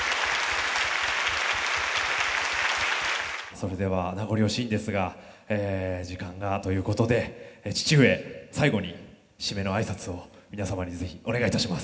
それでは名残惜しいんですがえ時間がということで父上最後に締めの挨拶を皆様に是非お願いいたします。